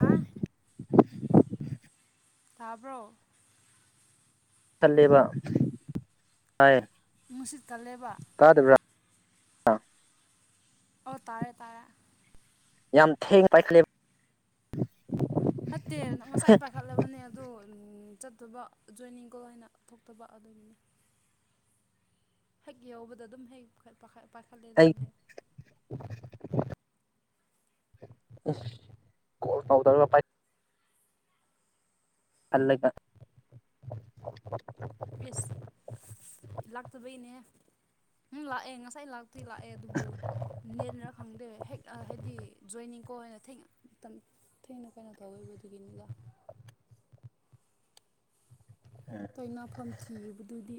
ꯑ ꯊꯥꯕ꯭ꯔꯣ ꯈꯜꯂꯤꯕ ꯍꯥꯏ ꯃꯅꯨꯡꯁꯤꯠꯀꯜꯂꯦꯕ ꯇꯥꯗꯕ꯭ꯔ ꯑꯣ ꯇꯥꯔꯦ ꯇꯥꯔꯦ ꯌꯥꯝ ꯊꯦꯡꯅ ꯄꯥꯏꯈꯠꯂꯦ ꯐꯠꯇꯦ ꯉꯁꯥꯏ ꯄꯥꯏꯈꯠꯂꯕꯅꯦ ꯑꯗꯣ ꯆꯠꯇꯕ ꯖꯣꯏꯅꯤꯡ ꯀꯣ ꯍꯥꯏꯅ ꯊꯣꯛꯇꯕ ꯑꯗꯨꯅꯤ ꯍꯦꯛ ꯌꯧꯕꯗ ꯑꯗꯨꯝ ꯍꯦꯛ ꯑꯩ ꯄꯥꯏꯈꯠꯂꯦꯗꯥꯏꯅꯦ ꯀꯣꯜ ꯄꯥꯎꯗꯔꯄꯥꯏ ꯑꯂꯒ ꯌꯦꯁ ꯂꯥꯛꯇꯕꯩꯅꯦ ꯎꯝ ꯂꯥꯛꯑꯦ ꯉꯁꯥꯏ ꯉꯥꯏ ꯂꯥꯛꯇꯤ ꯂꯥꯛꯑꯦ ꯑꯗꯨꯕꯨ ꯅꯦꯅ ꯈꯪꯗꯦ ꯍꯦꯛ ꯍꯥꯏꯗꯤ ꯖꯣꯏꯅꯤꯡ ꯀꯣꯅ ꯊꯦꯡꯅ ꯃꯇꯝ ꯊꯦꯡꯅ ꯀꯩꯅꯣ ꯇꯧꯋꯦꯕ ꯑꯗꯨꯒꯤꯅꯤꯗ ꯎꯝ ꯇꯣꯏꯅꯥꯐꯝ ꯊꯤꯕꯗꯨꯗꯤ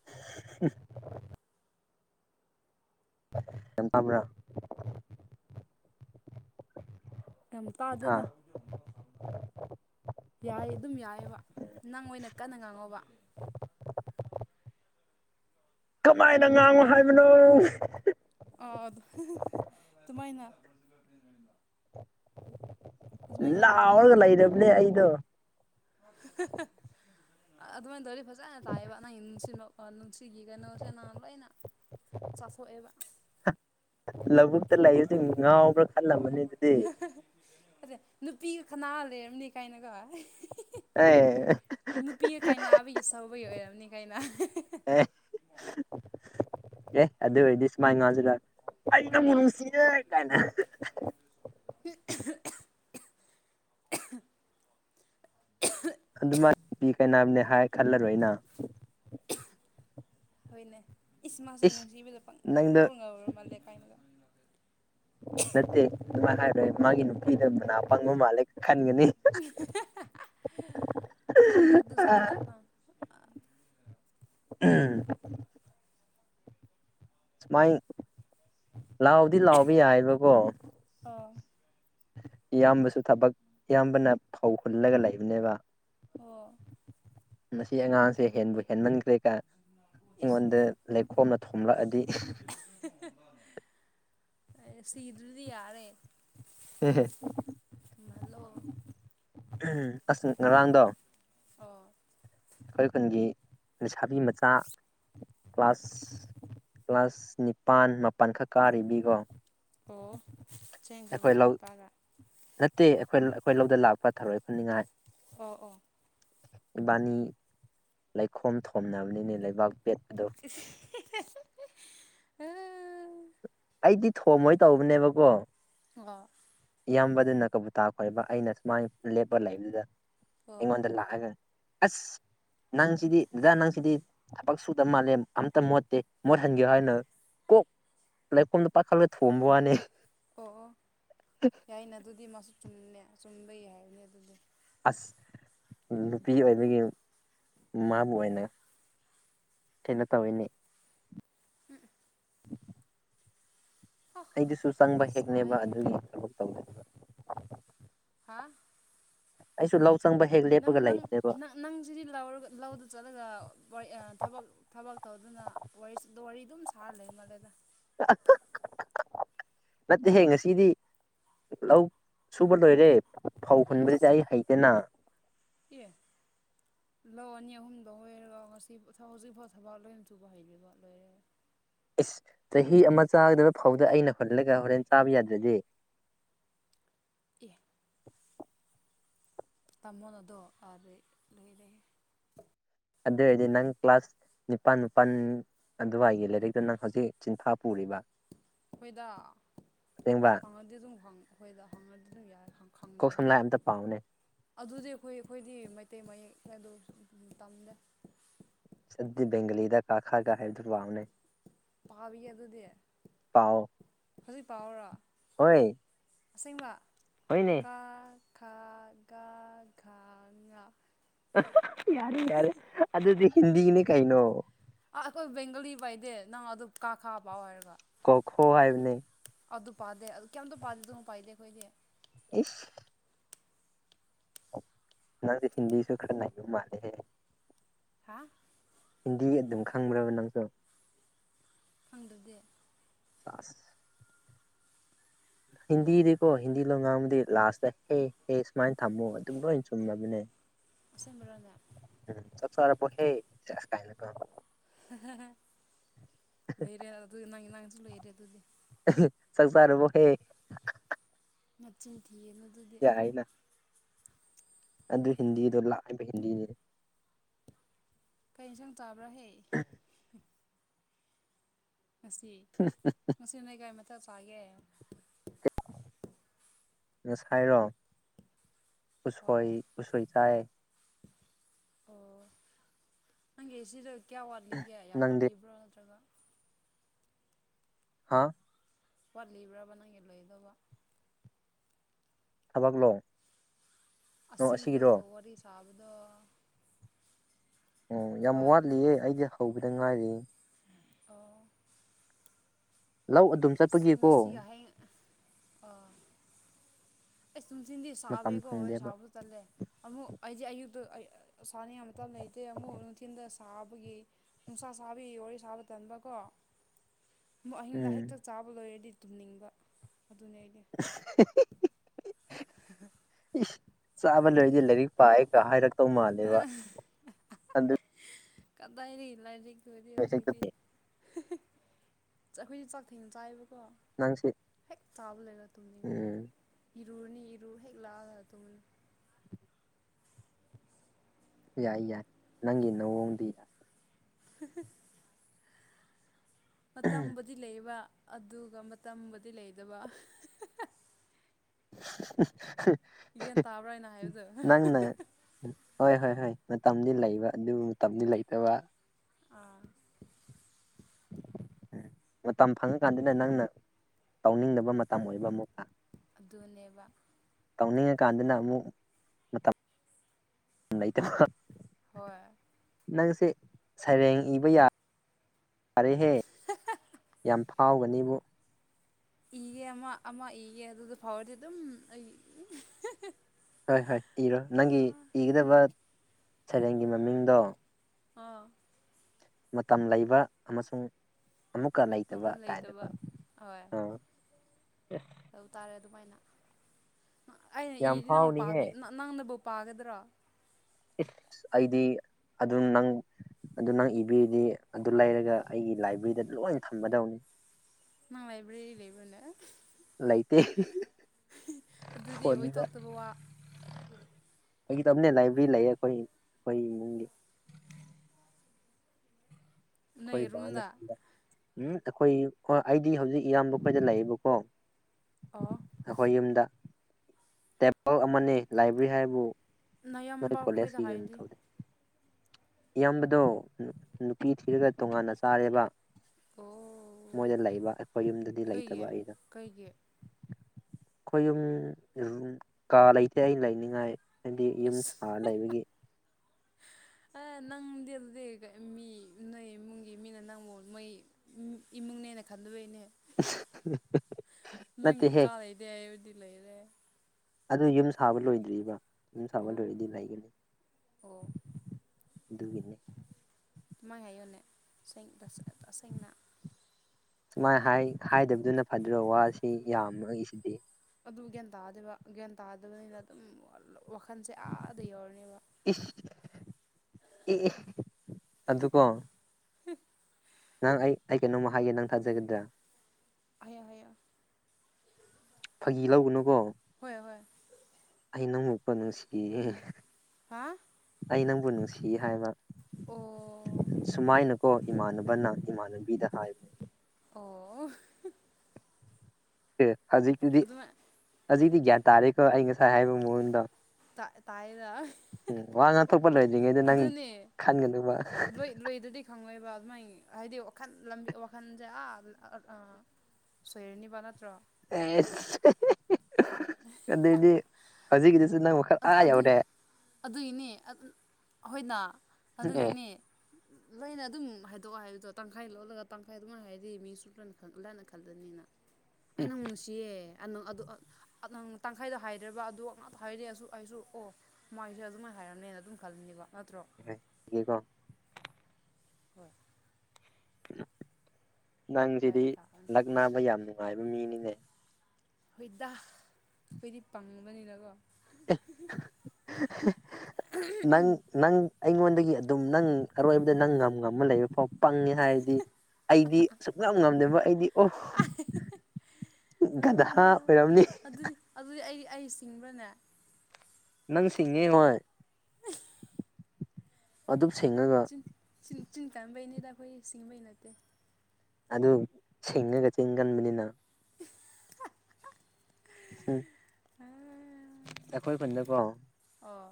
[unintelligible] ꯌꯥꯝ ꯄꯝꯕ꯭ꯔꯥ ꯀꯝ ꯍꯥ ꯄꯗꯦꯗ ꯌꯥꯏꯌꯦ ꯑꯗꯨꯝ ꯌꯥꯏꯑꯕ ꯅꯪ ꯑꯣꯏꯅ ꯀꯟꯅ ꯉꯥꯡꯉꯣꯕ ꯀꯃꯥꯏꯅ ꯉꯥꯡꯉꯣ ꯍꯥꯏꯕꯅꯣ ꯑ ꯇꯃꯥꯏꯅ ꯅꯤꯡ [unintelligible] ꯂꯥꯎꯔꯒ ꯂꯩꯔꯕꯅꯦ ꯑꯩꯗꯣ ꯑꯗꯨꯃꯥꯏꯅ ꯗꯔꯤ ꯐꯁ ꯐꯖꯅ ꯇꯥꯏꯌꯦꯕ ꯅꯪꯒꯤ ꯅꯨꯡꯁꯤ ꯅꯨꯡꯁꯤꯒꯤ ꯀꯩꯅꯣꯁꯦ ꯅꯪ ꯂꯣꯏꯅ ꯆꯥꯊꯣꯛꯑꯦꯕ ꯂꯧꯕꯨꯛꯇ ꯂꯩꯁꯤꯡ ꯉꯥꯎꯕ꯭ꯔꯥ ꯈꯜꯂꯝꯃꯅꯤ ꯑꯗꯨꯗꯤ ꯑꯗ ꯅꯨꯄꯤꯒ ꯈꯅꯥ ꯂꯩꯔꯝꯅꯤ ꯀꯥꯏꯅꯒꯣ ꯑꯦ ꯅꯨꯄꯤꯒ ꯀꯥꯏ ꯅꯥꯕꯒꯤ ꯁꯧꯕꯒꯤ ꯑꯣꯏꯔꯝꯅꯤ ꯀꯥꯏꯅ ꯑꯦ ꯑꯦ ꯑꯗꯨ ꯑꯣꯏꯗꯤ ꯁꯨꯃꯥꯏꯅ ꯉꯁꯤꯂꯥꯛ ꯑꯩꯩꯅ ꯃꯅꯅꯨꯡꯁꯤ ꯀꯥꯏꯅ ꯑꯗꯨꯃꯥꯏꯅ ꯅꯨ ꯄ ꯀꯩꯅꯝꯅꯦ ꯍꯥꯏ ꯈꯜꯂꯔꯣꯏꯅ ꯍꯣꯏꯅꯦ ꯏꯁ ꯃꯥꯁꯦ ꯏꯁ ꯅꯨꯡꯁꯤꯕꯗ ꯅꯪꯗꯣ ꯄꯪꯉꯥꯎꯔ ꯉꯥꯎꯔ ꯃꯥꯜꯂꯦ ꯀꯥꯏꯅꯒ ꯅꯠꯇꯦ ꯑꯗꯨꯃꯥꯏꯅ ꯍꯥꯏꯔꯣꯏ ꯃꯥꯒꯤ ꯅꯨꯄꯤꯗ ꯃꯅꯥ ꯄꯪꯕ ꯃꯥꯜꯂꯦ ꯈꯟꯒꯅꯤ ꯎ ꯍ ꯑꯗꯨꯁꯨꯦ ꯀꯅꯥ ꯈꯥ ꯎꯝ [unintelligible] ꯁꯨꯃꯥꯏ ꯂꯥꯎꯗꯤ ꯂꯥꯎꯕ ꯌꯥꯏꯑꯕꯀꯣ ꯑꯥ ꯏꯌꯥꯝꯕꯁꯨ ꯊꯕꯛ ꯏꯌꯥꯝꯕꯅ ꯐꯧ ꯍꯨꯜꯂꯒ ꯂꯩꯕꯅꯦꯕ ꯍ [unintelligible] ꯃꯁꯤ ꯑꯉꯥꯡꯁꯦ ꯍꯦꯟꯕꯨ ꯍꯦꯟꯃꯟꯈ꯭ꯔꯦ ꯀ ꯏꯁ ꯑꯩꯉꯣꯟꯗ ꯂꯩꯈꯣꯝꯅ ꯊꯣꯝꯂꯛꯑꯗꯤ ꯁꯤꯗ꯭ꯔꯗꯤ ꯌꯥꯔꯦ ꯊꯨꯝꯍꯜꯂꯣ ꯎꯝ ꯑꯁ ꯉꯔꯥꯡꯗꯣ ꯑꯣ ꯑꯩꯈꯣꯏ ꯈꯨꯟꯒꯤ ꯂꯩꯁꯥꯕꯤ ꯃꯆꯥ ꯀ꯭ꯂꯥꯁ ꯀ꯭ꯂꯥꯁ ꯅꯤꯄꯥꯜ ꯃꯥꯄꯜꯈꯛ ꯀꯥꯔꯤꯕꯕꯤꯈꯣ ꯑꯣ ꯆꯦꯡꯈ꯭ꯔꯕ ꯅꯨꯄꯥꯒ ꯅꯠꯇꯦ ꯑꯩꯈꯣꯏ ꯑꯩꯈꯣꯏ ꯂꯧꯗ ꯂꯥꯛꯄ ꯊꯧꯔꯛ ꯑꯩꯈꯣꯠꯅꯤꯡꯉꯥꯏ ꯑꯣ ꯑꯣ ꯏꯕꯥꯅꯤ ꯂꯩꯈꯣꯝ ꯊꯣꯝꯅꯕꯅꯤꯅꯦ ꯂꯩꯕꯥꯛ ꯄꯦꯠ ꯑ ꯑꯗꯨ [unintelligible] ꯑꯩꯗꯤ ꯊꯣꯝꯃꯣꯏ ꯇꯧꯕꯅꯦꯕꯀꯣ ꯋꯥ ꯏꯌꯥꯝꯕꯗꯨꯅ ꯀꯕꯨ ꯇꯥ ꯈꯣꯏꯕ ꯑꯩꯅ ꯁꯨꯃꯥꯏꯅ ꯂꯦꯞꯄ ꯂꯥꯛꯏꯕꯗꯨꯗ ꯑꯣ ꯑꯣ ꯑꯩꯉꯣꯟꯗ ꯂꯥꯛꯑꯒꯅꯤ ꯑꯁ ꯅꯪꯁꯤꯗꯤ ꯗꯗꯥ ꯅꯪꯁꯤꯗꯤ ꯊꯕꯛ ꯁꯨꯗꯕ ꯃꯥꯜꯂꯦ ꯑꯝꯇ ꯃꯣꯠꯇꯦ ꯃꯣꯠꯍꯟꯒꯦ ꯍꯥꯏꯅ ꯀꯣꯛ ꯂꯩꯀꯣꯝꯗꯣ ꯄꯥꯈꯜꯂꯒ ꯊꯣꯕ ꯋꯥꯅꯤ ꯑꯣ ꯑꯣ ꯌꯥꯏꯅ ꯑꯗꯨꯗꯤ ꯃꯥꯁꯨꯨꯝ ꯆꯨꯝꯕ ꯌꯥ ꯍꯥꯏꯕꯅꯤ ꯑꯗꯨꯗꯤ ꯑꯁ ꯅꯨꯄꯤ ꯑꯣꯏꯕꯒꯤ ꯃꯥꯕꯨ ꯑꯣꯏꯅ ꯊꯩꯅꯣ ꯇꯧꯋꯅꯤ ꯍ [unintelligible] ꯑ ꯑꯩꯗꯨꯁꯨ ꯆꯪꯕ ꯍꯦꯛꯅꯦꯕ ꯁꯥꯏꯍꯦ ꯑꯗꯨꯒꯤ ꯇꯧꯗꯦ ꯍꯥꯥ ꯑꯩꯁꯨ ꯂꯧ ꯆꯪꯕ ꯍꯦꯛ ꯅꯪ ꯂꯦꯞꯄꯒ ꯅꯪ ꯂꯩꯕꯅꯦꯕ ꯅꯪꯁꯤꯗꯤ ꯂꯧꯔꯒ ꯂꯧꯗ ꯆꯠꯂꯒ ꯊꯕꯛ ꯊꯕꯛ ꯇꯧꯗꯨꯅ ꯋꯥꯔꯤ ꯋꯥꯔꯤ ꯑꯗꯨꯝ ꯁꯥꯍ ꯂꯩ ꯃꯥꯜꯂꯦꯗ [unintelligible] ꯅꯠꯇꯦꯍꯦ ꯉꯁꯤꯗꯤ ꯂꯧ ꯁꯨꯕ ꯂꯣꯏꯔꯦ ꯐꯧ ꯍꯨꯟꯕ꯭ꯔꯗꯤ ꯏꯁ ꯑꯩ ꯍꯩꯇꯦꯅ ꯑꯦ ꯂꯧ ꯑꯅꯤ ꯑꯍꯨꯝꯗꯣ ꯑꯣꯏꯔꯒ ꯉꯁꯤ ꯍꯧꯖꯤꯛꯐꯥꯎ ꯊꯕꯛ ꯂꯣꯏꯅ ꯁꯨꯕ ꯍꯩꯔꯤꯕ ꯂꯣꯏꯔꯦ ꯏꯁ ꯆꯍꯤ ꯑꯃ ꯆꯥꯒꯗꯕ ꯐꯥꯎꯗ ꯑꯩꯅ ꯍꯨꯜꯂꯒ ꯍꯣꯔꯦꯟ ꯆꯥꯕ ꯌꯥꯗ꯭ꯔꯗꯤ ꯑꯦ ꯇꯥꯃꯣꯟꯗꯣ ꯑ ꯂꯩꯣꯏꯔꯦꯦ ꯑꯗꯨꯗꯗꯤ ꯅꯪ ꯀ꯭ꯂꯥꯁ ꯅꯤꯄꯥꯜ ꯅꯤꯄꯥꯜ ꯑꯗꯨꯋꯥꯏꯒꯤ ꯂꯥꯏꯔꯤꯛꯇ ꯅꯪ ꯍꯧꯖꯤꯛ ꯆꯤꯟꯊꯥ ꯄꯨꯔꯤꯕ ꯍꯣꯏꯗ ꯑꯁꯦꯡꯕ ꯍꯪꯉꯗꯤ ꯑꯗꯨꯝ ꯑꯩꯈꯣꯏꯗ ꯍꯪꯉꯗꯤ ꯑꯗꯨꯝ ꯌꯥꯏ ꯀꯣꯛ ꯈꯪꯉꯤꯗ ꯁꯝꯂꯥꯏ ꯑꯝꯇ ꯄꯥꯎꯅꯦ ꯑꯗꯨꯗꯤ ꯑꯩꯈꯣꯏ ꯑꯩꯈꯣꯏꯗꯤ ꯃꯩꯇꯩ ꯃꯌꯦꯛ ꯑꯗꯨ ꯇꯝꯗꯦ ꯁ ꯦꯡꯒꯂꯤꯗ ꯀꯥ ꯈꯥ ꯀꯥ ꯍꯦ ꯕꯥꯅꯦ ꯄꯥꯕꯤꯌꯦ ꯑꯗꯨꯗꯤ ꯄꯥꯎ ꯍꯧꯖꯤꯛ ꯄꯥꯎꯔꯥ ꯍꯣꯏ ꯑꯁꯦꯡꯕ ꯍꯅꯦ ꯀꯥ ꯀꯥꯒ ꯉꯥ ꯑꯍꯥ‌ ꯌꯥꯔꯦ ꯌꯥꯔꯦ ꯑꯗꯨꯗꯤ ꯍꯤꯟꯗꯤꯒꯤꯅꯤ ꯀꯩꯅꯣ ꯑ ꯑꯩꯈꯣꯏ ꯕꯦꯡꯒꯂꯤ ꯄꯥꯏꯗꯦ ꯅꯪ ꯑꯗꯨꯝ ꯀꯥꯈꯥ ꯄꯥꯎ ꯍꯥꯏꯔꯒ ꯀꯈꯣ ꯍꯥꯏꯥꯏꯕꯅꯦ ꯑꯗꯨ ꯄꯥꯗꯦ ꯑꯗꯨ ꯀꯩꯝꯇ ꯄꯥꯗꯦ ꯑꯗꯨ ꯄꯥꯏꯗꯦ ꯈꯣꯏꯗꯦ ꯏꯐ ꯅꯪꯗꯤ ꯊꯤꯟꯕꯤꯁꯨ ꯈꯔ ꯍꯩꯕ ꯃꯥꯜꯂꯦꯍꯦ ꯍꯥꯥ ꯍꯤꯟꯗꯤ ꯑꯗꯨꯝ ꯈꯪꯕ꯭ꯔꯕ ꯅꯪꯁꯨ ꯐꯪꯗꯗꯤꯦ ꯇ ꯍꯤꯟꯗꯤꯗꯤꯀꯣ ꯍꯤꯟꯗꯤ ꯂꯣ ꯉꯥꯡꯕꯗꯤ ꯂꯥꯁꯇ ꯍꯦ ꯑꯦ ꯁꯨꯃꯥꯏꯅ ꯊꯝꯃꯣ ꯑꯗꯨꯝ ꯂꯣꯏ ꯆꯨꯝꯃꯕꯅꯦ ꯑꯁꯦꯡꯕꯔꯅꯦ ꯎꯝ ꯆꯞꯁꯔ ꯄ ꯍꯦ ꯆ ꯀꯥꯏꯅ ꯀꯣ ꯂꯩꯔꯦ ꯑꯗꯨ ꯅꯪꯒꯤ ꯅꯪꯁꯨ ꯂꯩꯔꯦ ꯑꯗꯨꯗꯤ ꯁꯪꯁꯔꯕꯨꯣ ꯍꯦ ꯃꯆꯤꯟ ꯊꯤꯑ ꯃꯗꯨꯗꯤ ꯌꯥꯏꯅ ꯑꯗꯨ ꯍꯤꯟꯗꯤꯗꯣ ꯂꯥꯛꯏꯕ ꯍꯤꯟꯗꯤꯅꯤ ꯀꯩ ꯏꯪꯁꯥꯡ ꯆꯥꯕ꯭ꯔꯥꯍꯦ ꯉꯁꯤ ꯎ ꯉꯁꯤ ꯅ ꯑꯩ ꯀꯥꯏ ꯃꯠꯇ ꯄꯥꯒꯦ ꯉꯁ ꯍꯥꯏꯔꯣ ꯍꯣꯏ ꯎꯠꯁꯣꯏ ꯎꯠꯁꯣꯏ ꯆꯥꯏ ꯑꯣ ꯅꯪꯒꯦꯁꯤꯗ ꯀꯌꯥ ꯋꯥꯠꯂꯤꯒꯦ ꯌꯥꯝ ꯅꯪꯗꯤ ꯋꯥꯠꯂꯤꯕ꯭ꯔꯣ ꯅꯠꯇ꯭ꯔꯒ ꯍꯥꯥ ꯄꯣꯠ ꯂꯤꯕ꯭ꯔꯥꯕ ꯅꯪꯒꯤ ꯂꯣꯏꯗꯧꯕ ꯊꯕꯥꯛꯂꯣ ꯑꯤꯗ ꯋꯥꯔꯤ ꯁꯥꯕꯗꯣ ꯑꯣ ꯌꯥꯝ ꯍꯣꯏ ꯋꯥꯠꯂꯤꯍꯦ ꯑꯩꯗꯤ ꯍꯧꯕꯗ ꯉꯥꯏꯔꯤ ꯑꯣ ꯂꯧ ꯑꯗꯨꯝ ꯆꯠꯄꯒꯤꯀꯣ ꯃꯁꯤꯁꯤ ꯑꯁꯦ ꯑꯥ ꯑꯩꯁ ꯇꯨꯝ ꯊꯤꯟꯗꯤ ꯃꯇꯝ ꯁꯥꯕꯀꯣ ꯍꯣꯏ ꯐꯪꯗꯦꯕ ꯁꯥꯕ ꯆꯜꯂꯦ ꯑꯃꯨꯛ ꯑꯩꯗꯤ ꯑꯌꯨꯛꯇꯨ ꯁꯥꯥꯅꯤ ꯑꯃꯇ ꯂꯩꯇꯦ ꯑꯃꯨꯛ ꯅꯨꯡꯊꯤꯜꯗ ꯁꯥꯕꯒꯤ ꯅꯨꯡꯁꯥ ꯁꯥꯕꯤ ꯋꯥꯔꯤ ꯁꯥꯕ ꯇꯟꯕꯀꯣ ꯑꯃꯨꯛ ꯑꯍꯤꯡꯗ ꯎꯝ ꯍꯦꯛꯇ ꯆꯥꯕ ꯂꯣꯏꯔꯗꯤ ꯇꯨꯝꯅꯤꯡꯕ ꯑꯗꯨꯅꯦ ꯑꯩꯗꯤ [unintelligible] [unintelligible] ꯆꯥꯕ ꯂꯩꯔꯗꯤ ꯂꯥꯏꯔꯤꯛ ꯄꯥꯏꯑꯒ ꯍꯥꯏꯔꯛ ꯀꯗꯥꯏꯔꯤ ꯂꯥꯏꯔꯤꯛꯇ ꯑꯣꯏꯗꯤ ꯍꯧꯖꯤꯛꯇꯤ ꯑꯩꯈꯣꯏꯁꯦ ꯆꯥꯛ ꯊꯦꯡꯅ ꯆꯥꯏꯌꯦꯕꯀꯣ ꯅꯪꯁꯦ ꯍꯦꯛ ꯇꯥꯕ ꯂꯩꯔ ꯇꯨꯝꯅꯤꯡꯒꯅꯤ ꯎꯝ ꯏꯔꯨꯅꯤ ꯏꯔꯨ ꯍꯦꯛ ꯂꯥꯛꯑꯒꯅ ꯇꯨꯝꯅꯤ ꯌꯥꯏ ꯌꯥꯏ ꯅꯪꯒꯤꯅꯣꯡ ꯍꯗꯤ [unintelligible] ꯃꯇꯝꯕꯨꯗꯤ ꯂꯩꯕ ꯑꯗꯨꯒ ꯃꯇꯝꯕꯨꯗꯤ ꯂꯩꯇꯕ [unintelligible] ꯌꯦꯒꯟ ꯇꯥꯕ꯭ꯔ ꯍꯥꯏꯅ ꯍꯥꯏꯕꯗ ꯎꯝ ꯍꯣꯏ ꯍꯣꯏ ꯍꯣꯏ ꯃꯇꯝꯗꯤ ꯂꯩꯕ ꯑꯗꯨꯕꯨ ꯃꯇꯝꯗꯤ ꯂꯩꯇꯕ ꯑꯥ ꯎꯝ ꯃꯇꯝ ꯐꯪꯉꯀꯥꯟꯗꯅ ꯅꯪꯅ ꯇꯧꯅꯤꯡꯗꯕ ꯃꯇꯝ ꯑꯣꯏꯕ ꯑꯃꯨꯛ ꯂꯥꯛ ꯑꯗꯨꯗꯅꯦꯕ ꯇꯧꯅꯤꯡꯉꯀꯥꯟꯗꯅ ꯑꯃꯨꯛ ꯅꯩꯇꯍ ꯍꯣꯏ ꯅꯪꯁꯦ ꯁꯩꯔꯦꯡ ꯏꯕ ꯌꯥ ꯐꯔꯦꯍꯦ ꯌꯥꯝ ꯐꯥꯎꯒꯅꯤꯕꯨ ꯏꯒꯦ ꯑꯃ ꯑꯃ ꯏꯒꯦ ꯑꯗꯨꯗ ꯐꯥꯎꯔꯗꯤ ꯑꯗꯨꯝ ꯑꯩ ꯍꯣꯏ ꯍꯣꯏ ꯏꯔꯣ ꯅꯪꯒꯤ ꯏꯒꯗꯕ ꯁꯩꯔꯦꯡꯒꯤ ꯃꯃꯤꯡꯗꯣ ꯍꯥ ꯃꯇꯝ ꯂꯩꯕ ꯑꯃꯁꯨꯡ ꯑꯃꯨꯛꯀ ꯂꯩꯇꯕ ꯃꯇꯝ ꯀꯥꯏꯅꯀꯣ ꯂꯩꯇꯕ ꯑ ꯇ ꯇꯥꯔꯦ ꯑꯗꯨꯃꯥꯏꯅ ꯑꯩꯅ ꯌꯥꯝ ꯏꯗꯤ ꯅꯪ ꯐꯥꯎꯅꯤꯍꯦ ꯄꯥꯕꯤ ꯅꯪꯅꯕꯨ ꯄꯥꯒꯗ꯭ꯔꯣ ꯏꯐ ꯑꯩꯗꯤ ꯑꯗꯨꯝ ꯅꯪ ꯑꯗꯨ ꯅꯪ ꯏꯕꯤꯔꯤꯗꯤ ꯑꯗꯨ ꯂꯩꯔꯒ ꯑꯩꯒꯤ ꯂꯥꯏꯕ꯭ꯔꯦꯔꯤꯗ ꯂꯣꯏꯅ ꯊꯝꯒꯗꯧꯅꯤ ꯅꯪ ꯂꯥꯏꯕ꯭ꯔꯦꯔꯤ ꯂꯩꯕ꯭ꯔꯅꯦ ꯂꯩꯇꯦ ꯍꯤ ꯑꯗꯨꯗꯤ ꯐꯣꯟꯗ ꯑꯣꯏꯊꯣꯛꯇꯕ ꯋꯥ ꯑꯩꯒꯤꯗꯞꯅ ꯂꯥꯏꯕ꯭ꯔꯦꯔꯤ ꯂꯩꯌꯦ ꯑꯩꯈꯣꯏ ꯑꯩꯈꯣꯏꯒꯤ ꯏꯃꯨꯡꯒꯤ ꯑꯩꯈꯣꯏ ꯅꯣꯏ ꯔꯨꯝꯗ ꯕꯥꯅꯕ ꯎꯝ ꯑꯩꯈꯣꯏ ꯍ ꯑꯩꯗꯤ ꯍꯧꯖꯤꯛ ꯏꯌꯥꯝꯕꯈꯣꯏꯗ ꯂꯩꯑꯦꯕꯀꯣ ꯑꯥ ꯑꯩꯈꯣꯏ ꯌꯨꯝꯗ ꯇꯦꯕꯜ ꯑꯃꯅꯦ ꯂꯥꯏꯕꯦꯔꯤ ꯍꯥꯏꯕꯨ ꯅꯣꯏ ꯅꯌꯥꯝꯝꯕ ꯀꯣꯂꯦꯖꯀꯤ ꯑꯩꯈꯣꯏꯗ ꯀꯩꯅꯣ ꯍꯥꯏꯗꯤ ꯇꯧꯗꯦ ꯏꯌꯥꯝꯕꯗꯣ ꯅꯨꯄꯤ ꯊꯤꯔꯒ ꯇꯣꯉꯥꯟꯅ ꯆꯥꯔꯦꯕ ꯑꯣ ꯃꯣꯏꯗ ꯂꯩꯕ ꯑꯩꯈꯣꯏ ꯌꯨꯝꯗꯗꯤ ꯂꯩꯇꯕ ꯀꯩꯒꯤ ꯑꯩꯅ ꯀꯩꯒꯤ ꯑꯩꯈꯣꯏ ꯌꯨꯝ ꯀꯥ ꯂꯩꯇꯦ ꯑꯩꯅ ꯂꯩꯅꯤꯡꯉꯥꯏ ꯍꯥꯏꯗꯤ ꯌꯨꯝ ꯑꯁ ꯁꯥꯔ ꯂꯩꯕꯒꯤ ꯅꯪꯗꯤ ꯑꯗꯨꯗꯤ ꯃꯤ ꯅꯣꯏ ꯏꯃꯨꯡꯒꯤ ꯃꯤꯅ ꯅꯪꯕ ꯃꯣꯏ ꯎꯝ ꯏꯃꯨꯡꯅꯦꯅ ꯈꯟꯗꯕ ꯏꯅꯦ ꯅꯪ ꯅꯠꯇꯦꯍꯦ ꯏꯀꯥ ꯂꯩꯗꯦ ꯑꯩꯕꯨꯗꯤ ꯂꯩꯔꯦ ꯑꯗꯨ ꯌꯨꯝ ꯁꯥꯕ ꯂꯣꯏꯗ꯭ꯔꯤꯕ ꯑꯗꯨꯝ ꯁꯥꯕ ꯑꯣ ꯂꯔꯗꯤ ꯂꯩꯒꯅꯤ ꯑꯣ ꯑꯗꯨꯒꯤꯅꯦ ꯃꯃꯥꯡꯉꯥꯏꯌꯣꯅꯦ ꯇꯁꯦꯡꯅ ꯁꯨꯃꯥꯏꯅ ꯍꯥꯏꯗꯕꯗꯨꯅ ꯐꯗ ꯋꯥꯁꯤ ꯌꯥꯝꯃꯒꯤꯁꯤꯗꯤ ꯑꯗꯨ ꯒ꯭ꯌꯥꯟ ꯇꯥꯗꯦꯕ ꯒ꯭ꯌꯥꯟ ꯇꯥꯗꯕꯅꯤꯅ ꯑꯗꯨꯝ ꯋꯥ ꯋꯥꯈꯜꯁꯦ ꯑꯥꯗ ꯌꯧꯔꯅꯦꯕ ꯏꯁ ꯏ ꯑꯗꯨꯀꯣ ꯅꯪ ꯑꯩ ꯑꯩ ꯀꯩꯅꯣꯃ ꯍꯥꯏꯒꯦ ꯅꯪ ꯊꯥꯖꯒꯗ꯭ꯔꯥ ꯍꯥꯏꯌꯥ ꯍꯥꯏꯌꯦꯡ ꯐꯥꯒꯤ ꯂꯧꯒꯅꯨ ꯀꯣ ꯍꯣꯏ ꯍꯣꯏ ꯑꯩ ꯅꯉꯛꯄ ꯅꯨꯡꯁꯤ ꯍꯥꯥ ꯑꯩ ꯅꯪꯕꯨ ꯅꯨꯡꯁꯤ ꯍꯥꯏꯕ ꯑꯣ ꯁꯨꯃꯥꯏꯅꯀꯣ ꯏꯃꯥꯟꯅꯕꯅ ꯏꯃꯥꯟꯅꯕꯤꯗ ꯍꯥꯏꯕꯅꯦ ꯑꯣ ꯑꯦ ꯍꯧꯖꯤꯛꯇꯨꯗꯤ ꯑꯗꯨꯃꯥꯏ ꯍꯧꯖꯤꯛꯇꯤ ꯒ꯭ꯌꯥꯟ ꯇꯥꯔꯦꯀꯣ ꯑꯩ ꯉꯁꯥꯏ ꯍꯥꯏꯔꯤꯕ ꯃꯑꯣꯣꯟꯗ ꯇꯥꯏꯔ ꯉꯥꯡꯊꯣꯛꯄ ꯂꯣꯏꯗ꯭ꯔꯤꯉꯩꯗ ꯅꯪ ꯑꯗꯨꯅꯦ ꯈꯟꯒꯅꯨꯕ ꯂꯣꯏ ꯂꯣꯏꯗꯗꯤ ꯈꯪꯉꯣꯏꯕ ꯑꯗꯨꯃꯥꯏꯅ ꯍꯥꯏꯗꯤ ꯋꯥꯈꯜ ꯂꯝꯕꯤ ꯋꯥꯈꯜꯁꯦ ꯑꯥ ꯁꯣꯏꯔꯅꯤꯕ ꯅꯠꯇ꯭ꯔꯣ ꯑꯦꯁ ꯑꯗꯨꯏꯗꯤ ꯍꯧꯖꯤꯛꯀꯤꯗꯤꯁꯨ ꯅꯪ ꯃꯈ ꯑꯗꯨꯏ ꯑꯗꯨꯒꯤꯅꯤ ꯑꯩꯈꯣꯏꯅ ꯑꯗꯨꯒꯤꯅꯤ ꯂꯣꯏꯅ ꯑꯗꯨꯝ ꯍꯥꯏꯗꯣꯛꯑꯣ ꯍꯥꯏꯕꯗꯣ ꯇꯪꯈꯥꯏ ꯂꯣꯜꯂꯒ ꯇꯪꯈꯥꯏ ꯑꯗꯨꯃꯥꯏ ꯍꯥꯏꯔꯗꯤ ꯃꯤ ꯁꯨꯞꯂꯅ [inaudible] ꯂꯅ ꯈꯟꯗꯅꯤꯅ [unintelligible] ꯑ ꯅꯪ ꯅꯨꯡꯁꯤꯌꯦ ꯅꯪ ꯑꯗꯨ ꯅꯪ ꯇꯪꯈꯥꯏꯗ ꯍꯥꯏꯗ꯭ꯔꯕ ꯑꯗꯨ ꯉꯥꯛꯇ ꯍꯥꯏꯔꯛꯑꯦ ꯑꯁꯨ ꯑꯩꯁꯨ ꯑꯣ ꯃꯥꯏꯁꯦ ꯑꯗꯨꯃꯥꯏꯅ ꯍꯥꯏꯔꯝꯅꯦꯅ ꯑꯗꯨꯝ ꯈꯜꯂꯅꯤꯀꯣ ꯅꯠꯇ꯭ꯔꯣ ꯌꯦꯀꯣ ꯍꯣꯏ ꯅꯪꯁꯤꯗꯤ ꯍꯥꯏꯕ ꯇꯥꯕꯅꯤ ꯂꯛꯅꯥꯕ ꯌꯥꯝ ꯅꯨꯡꯉꯥꯏꯕ ꯃꯤꯅꯤꯅꯦ ꯍꯣꯏꯗ ꯈꯣꯏꯗꯤ ꯄꯪꯕꯅꯤꯅꯀꯣ ꯎ [inaudible] ꯅꯪ ꯅꯪ ꯑꯩꯉꯣꯟꯗꯒꯤ ꯑꯗꯨꯝ ꯅꯪ ꯑꯔꯣꯏꯕꯗ ꯅꯪ ꯉꯝ ꯉꯝꯃ ꯂꯩꯌ‌ꯦ ꯀ‌ꯣ ꯇꯪꯉꯦ ꯍꯥꯏꯔꯗꯤ ꯑꯩꯗꯤ ꯁꯨꯛꯉꯝ ꯉꯝꯗꯕ ꯑꯩꯗꯤ ꯑꯣ ꯒꯙꯥ ꯑꯣꯏꯔꯝꯅꯤ ꯑꯗꯨꯗꯤ ꯑꯗꯨꯗꯤ ꯑꯩꯗꯤ ꯑꯩ ꯁꯤꯡꯕ꯭ꯔꯅꯦ ꯅꯪꯁꯤꯡꯉ‌ꯦꯍ‌ꯣꯏ [unintelligible] ꯁꯤꯡꯉꯒ ꯆꯤꯟ ꯀꯝꯕꯩꯅꯤꯗ ꯑꯩꯈꯣꯏ ꯁꯤꯡꯕꯩ ꯅꯠꯇꯦ ꯑꯗꯨ ꯁꯤꯡꯉꯒ ꯆꯤꯡꯒꯟꯕꯅꯤꯅ ꯎꯝ ꯑ ꯑꯩꯈꯣꯏ ꯈꯨꯟꯗꯀꯣ ꯑꯣ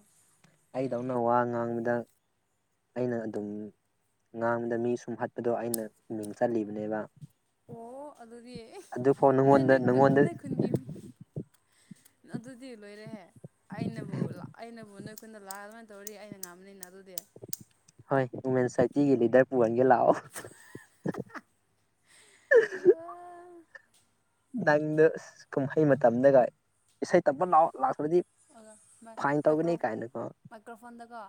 ꯑꯩꯗꯧꯅ ꯋꯥ ꯉꯥꯡꯕꯗ ꯑꯩꯅ ꯑꯗꯨꯝ ꯉꯥꯡꯕꯗ ꯃꯤ ꯁꯨꯝꯍꯥꯠꯄꯗꯣ ꯑꯩꯅ ꯃꯤꯡ ꯆꯠꯂꯤꯕꯅꯦꯕ ꯑꯣ ꯑꯗꯨꯗꯤ ꯑꯗꯨꯐꯥꯎ ꯅꯣꯏ ꯅꯪꯉꯣꯟꯗ ꯅꯣꯏ ꯈꯨꯟ ꯅꯪꯉꯣꯟꯗ ꯅꯣꯏ ꯈꯨꯟꯒꯤ ꯑꯗꯨꯗꯤ ꯂꯣꯏꯔꯦꯍꯦ ꯑꯩꯅꯕꯨ ꯑꯩꯅꯕꯨ ꯅꯣꯏ ꯑꯩꯈꯣꯏꯟꯗ ꯂꯥꯛꯑ ꯑꯗꯨꯃꯥꯏꯅ ꯇꯧꯔꯗꯤ ꯑꯩꯅ ꯉꯥꯝꯅꯤꯅ ꯑꯗꯨꯗꯤ ꯍꯣꯏ ꯋꯨꯃꯦꯟ ꯁꯣꯁꯥꯏꯇꯤꯒꯤ ꯂꯤꯗꯔ ꯄꯨꯍꯟꯒꯦ ꯂꯥꯛꯑꯣ ꯎ [unintelligible] ꯅꯪꯗ ꯀꯨꯝꯍꯩ ꯃꯇꯝꯗꯒ ꯏꯁꯩ ꯇꯞꯄ [inaudible] ꯂꯥꯛꯑꯣ ꯂꯥꯛꯇ꯭ꯔꯗꯤ ꯐꯥꯏꯟ ꯃꯥꯏꯀ꯭ꯔꯣ ꯇꯧꯒꯅꯤ ꯀꯥꯏꯅꯀꯣ ꯃꯥꯏꯀ꯭ꯔꯣꯐꯣꯟꯗꯀꯣ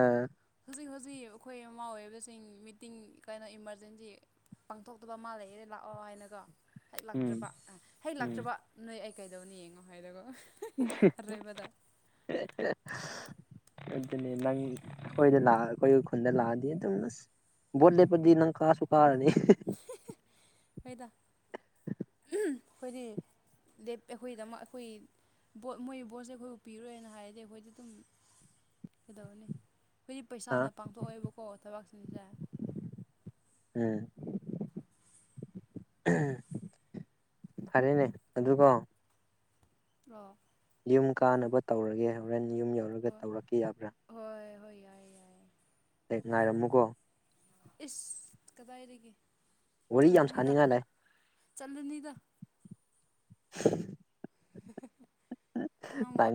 ꯑꯥ ꯍꯧꯖꯤꯛ ꯍꯧꯖꯤꯛ ꯑꯩꯈꯣꯏ ꯃꯃꯥ ꯑꯣꯏꯕꯁꯤꯡ ꯃꯤꯇꯤꯡ ꯀꯩꯅꯣ ꯏꯃꯥꯔꯖꯦꯟꯁꯤ ꯄꯥꯡꯊꯣꯛꯇꯕ ꯑꯃ ꯂꯩꯌꯦ ꯂꯥꯛꯑꯣ ꯍꯥꯏꯅꯒꯣ ꯍꯦꯛ ꯎꯝ ꯂꯥꯛꯇ꯭ꯔꯕ ꯑ ꯍꯦꯛ ꯎꯝ ꯂꯥꯛꯇ꯭ꯔꯕ ꯅꯣꯏ ꯑꯩ ꯀꯩꯗꯧꯅꯤ ꯌꯦꯡꯉꯣ ꯍꯥꯏꯔꯒꯣ [unintelligible] ꯑꯗꯨꯅꯦ ꯅꯪ ꯑꯩꯈꯣꯏꯗ ꯂꯥꯛꯑ ꯑꯩꯈꯣꯏ ꯈꯨꯟꯗ ꯂꯥꯛꯑꯗꯤ ꯑꯗꯨꯝ ꯕ‌ꯧꯠꯂꯦꯄꯖꯤ ꯅꯪ ꯀꯥꯁꯨꯀꯥꯔꯅꯤ ꯍꯣꯏꯗ ꯈꯣꯏꯗꯤ ꯑꯩꯈꯣꯏꯒꯤꯗꯃꯛ ꯑꯩꯈꯣꯏ ꯕꯣꯠ ꯃꯣꯏ ꯕꯣꯠꯁꯦ ꯑꯩꯈꯣꯏꯕꯨ ꯄꯤꯔꯣꯏꯅ ꯍꯥꯏꯔꯗꯤ ꯑꯩꯈꯣꯏꯗꯤ ꯑꯗꯨꯝ ꯀꯩꯗꯧꯅꯤ ꯑꯩ ꯍꯥ ꯄꯩꯁꯥꯅ ꯄꯥꯡꯊꯣꯛꯑꯏꯕꯀꯣ ꯊꯕꯛꯁꯤꯡꯁꯦ ꯎꯝ [inaudible] ꯐꯔꯦꯅꯦ ꯑꯗꯨꯒ ꯑꯣ ꯌꯨꯝ ꯀꯥꯟꯅꯕ ꯇꯧꯔꯒꯦ ꯍꯣꯔꯦꯟ ꯌꯨꯝ ꯌꯧꯔꯒ ꯍꯣꯏ ꯇꯧꯔꯛꯀꯦ ꯌꯥꯕ꯭ꯔꯥ ꯍꯣꯏ ꯍꯣꯏ ꯌꯥꯏ ꯌꯥꯏꯑꯦ ꯍꯦꯛ ꯉꯥꯏꯔꯝꯃꯨꯀꯣ ꯏꯁ ꯀꯗꯥꯏꯔꯤꯒꯤ ꯋꯥꯔꯤ ꯌꯥꯝ ꯆꯂꯅꯤꯗ ꯁꯥꯅꯤꯡꯉꯥꯏ ꯂꯩ ꯆꯂꯅꯤꯗ [inaudible] ꯅꯪ [inaudible] ꯇꯥꯏꯝ